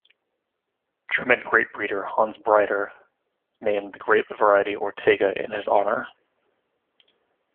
German grape breeder Hans Breider named the grape variety Ortega in his honor.